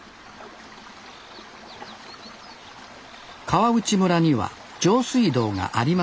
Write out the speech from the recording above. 川内村には上水道がありません。